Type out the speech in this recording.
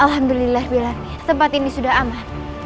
alhamdulillah biar sempat ini sudah aman